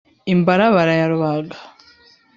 imbarabara ya rubaga,